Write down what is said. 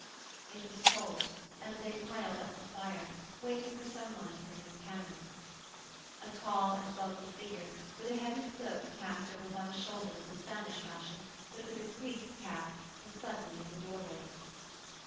It was cold, and they piled up the fire, waiting for some one to bring them candles. A tall and bulky figure, with a heavy cloak cast over one shoulder in the Spanish fashion, but with a priest's cap, was suddenly in the doorway.